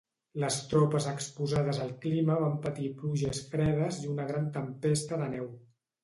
Les tropes exposades al clima van patir pluges fredes i una gran tempesta de neu.